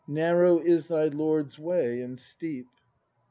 ] Narrow is thy Lord's way, and steep.